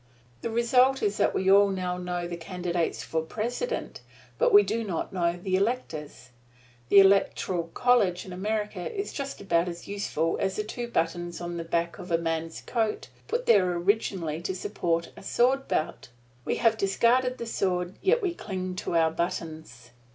The result is that we all now know the candidates for President, but we do not know the electors. The electoral college in America is just about as useful as the two buttons on the back of a man's coat, put there originally to support a sword belt. We have discarded the sword, yet we cling to our buttons.